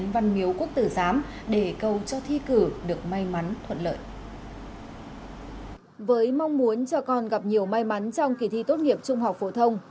với mong muốn cho con gặp nhiều may mắn trong kỳ thi tốt nghiệp trung học phổ thông